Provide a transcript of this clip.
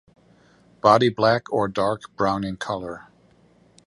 Body black or dark brown in color.